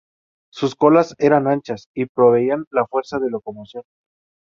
Sus colas eran anchas, y proveían la fuerza de locomoción.